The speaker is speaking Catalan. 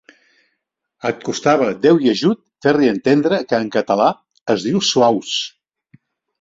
Et costava déu i ajut fer-li entendre que en català es diu suaus.